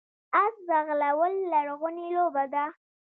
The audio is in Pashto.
اس ځغلول لرغونې لوبه ده